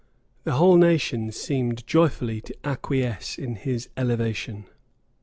The whole nation seemed joyfully to acquiesce in his elevation.